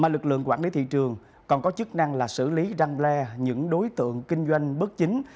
lực lượng quản lý thị trường còn có chức năng là xử lý răng le những đối tượng kinh doanh bất chính